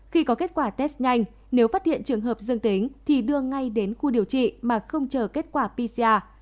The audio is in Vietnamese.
khi có kết quả test nhanh nếu phát hiện trường hợp dương tính thì đưa ngay đến khu điều trị mà không chờ kết quả pcr